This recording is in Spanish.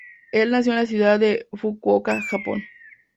Él nació en la ciudad de Fukuoka, Japón.